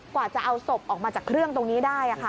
กว่าจะเอาศพออกมาจากเครื่องตรงนี้ได้